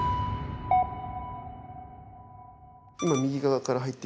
今右側から入ってきてるのが。